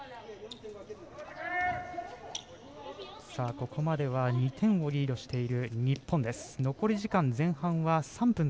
ここまでは２点をリードしている日本です。